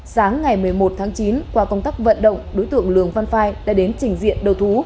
sáng ngày một mươi một tháng chín qua công tác vận động đối tượng lường văn phai đã đến trình diện đầu thú